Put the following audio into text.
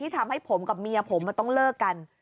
ทำให้ผมกับเมียผมต้องเลิกกัน